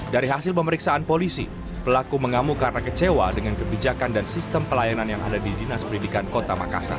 dari hasil pemeriksaan polisi pelaku mengamuk karena kecewa dengan kebijakan dan sistem pelayanan yang ada di dinas pendidikan kota makassar